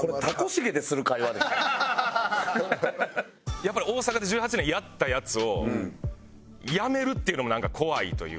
やっぱり大阪で１８年やったやつをやめるっていうのもなんか怖いというか。